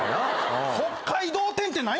北海道展って何やねん。